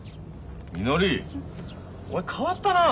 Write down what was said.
みのりお前変わったな。